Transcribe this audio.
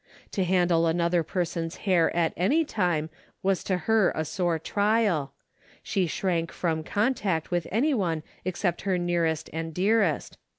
To handle another person's hair at any time was to her a sore trial. She shrank from contact with any one except her nearest and dearest.